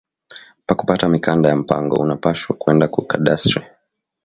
Paku pata mikanda ya mpango, unapashwa kwenda ku cadastre